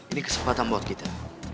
ini kesempatan buat kita